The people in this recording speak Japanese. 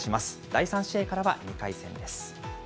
第３試合からは２回戦です。